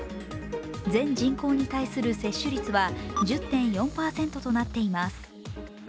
全人口に対する接種率は１０．４％となっています。